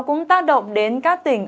cũng tác động đến các tỉnh